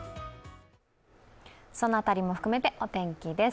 その辺りも含めてお天気です。